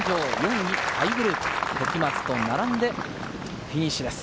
４位タイグループ、時松と並んでフィニッシュです。